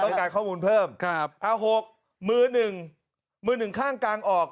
การข้อมูลเพิ่มครับเอา๖มือหนึ่งมือหนึ่งข้างกลางออก